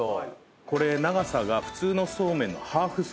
これ長さが普通のそうめんのハーフサイズ。